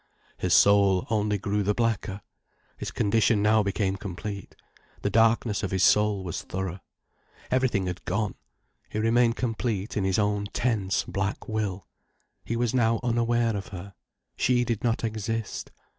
His soul only grew the blacker. His condition now became complete, the darkness of his soul was thorough. Everything had gone: he remained complete in his own tense, black will. He was now unaware of her. She did not exist.